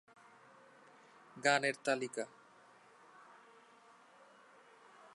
গানের তালিকা